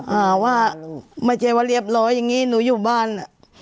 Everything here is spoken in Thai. หาว่าไม่ใช่ว่าเรียบร้อยอย่างงี้หนูอยู่บ้านอ่ะ